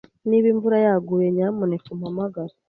Niba imvura iguye, nyamuneka umpamagare.